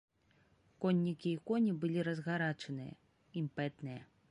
Коннікі і коні былі разгарачаныя, імпэтныя.